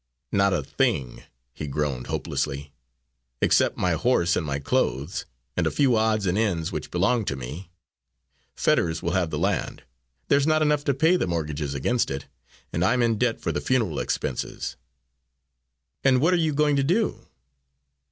"Not a thing," he groaned hopelessly, "except my horse and my clothes, and a few odds and ends which belong to me. Fetters will have the land there's not enough to pay the mortgages against it, and I'm in debt for the funeral expenses." "And what are you going to do?"